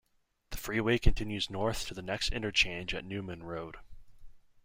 The freeway continues north to the next interchange at Newman Road.